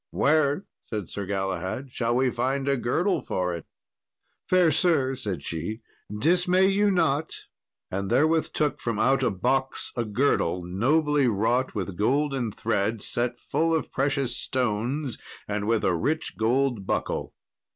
"Where," said Sir Galahad, "shall we find a girdle for it?" "Fair sir," said she, "dismay you not;" and therewith took from out a box a girdle, nobly wrought with golden thread, set full of precious stones and with a rich gold buckle.